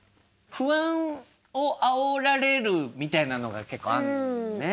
不安をあおられるみたいなのが結構あるもんね。